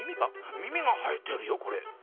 耳が生えてるよ。